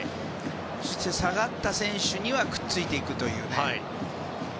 そして下がった選手にはくっついていくという。